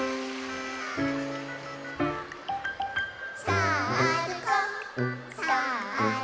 「さぁあるこさぁあるこ」